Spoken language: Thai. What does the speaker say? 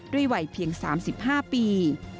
วัยเพียง๓๕ปี